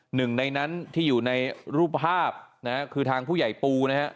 หนึ่งในนั้นที่อยู่ในรูปภาพนะฮะคือทางผู้ใหญ่ปูนะฮะ